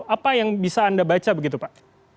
apa yang bisa anda baca begitu pak